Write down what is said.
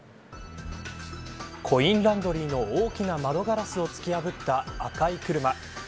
コインランドリーの大きな窓ガラスを突き破った赤い車。